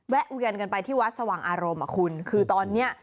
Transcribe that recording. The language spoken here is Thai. แวะเวียนกันไปที่วัดสว่างอารมณ์คือตอนนี้